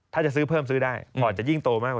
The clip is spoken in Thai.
ถ้าจะซื้อเพิ่มซื้อได้ผ่อนจะยิ่งโตมากกว่า